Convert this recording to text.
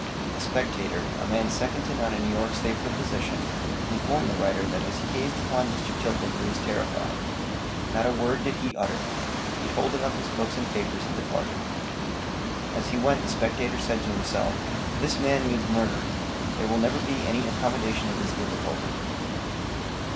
A spectator, a man second to none in New York State for position, informed the writer that as he gazed upon Mr. Tilden he was terrified. Not a word did he utter; he folded up his books and papers and departed. As he went the spectator said to himself, "This man means murder; there will never be any accommodation of this difficulty."